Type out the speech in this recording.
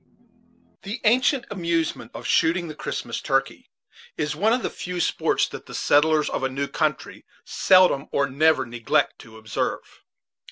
The ancient amusement of shooting the Christmas turkey is one of the few sports that the settlers of a new country seldom or never neglect to observe.